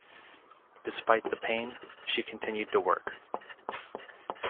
Despite the pain, she continued to work.